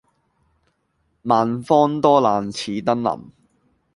萬方多難此登臨。